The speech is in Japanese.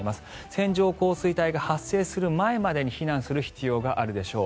線状降水帯が発生する前までに避難する必要があるでしょう。